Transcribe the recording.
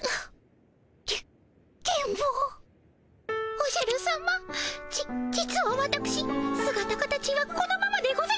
おじゃるさまじ実はわたくしすがた形はこのままでございま。